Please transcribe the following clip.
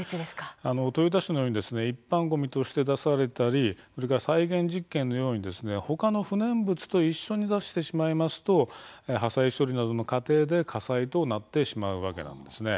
豊田市のように一般ごみとして出されたり再現実験のように、他の不燃物と一緒に出してしまいますと破砕処理などの過程で火災となってしまうわけです。